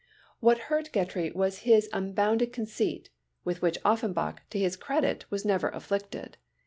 What hurt Grétry was his unbounded conceit, with which Offenbach, to his credit, was never afflicted.